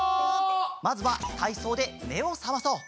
まずはたいそうでめをさまそう。